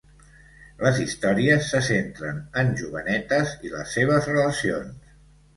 Les històries se centren en jovenetes i les seves relacions.